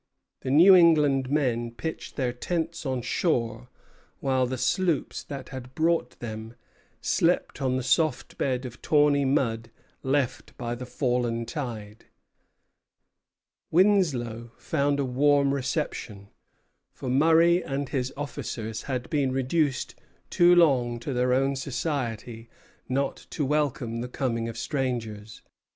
The New England men pitched their tents on shore, while the sloops that had brought them slept on the soft bed of tawny mud left by the fallen tide. Winslow found a warm reception, for Murray and his officers had been reduced too long to their own society not to welcome the coming of strangers.